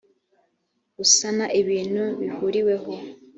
gusana ibintu bihuriweho